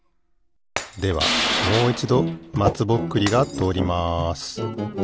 ではもういちどまつぼっくりがとおります。